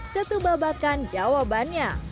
situ babakan jawabannya